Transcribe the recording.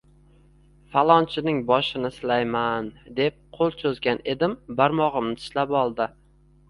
– Falonchining boshini silayman, deb qo‘l cho‘zgan edim, barmog‘imni tishlab oldi!